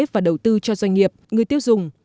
và đầu tư cho doanh nghiệp người tiêu dùng